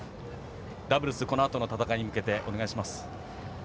ダブルス、このあとの戦いに向けてお願いします。